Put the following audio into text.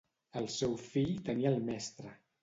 El seu fill tenia el mestre.